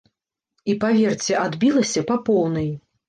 І паверце, адбілася па поўнай.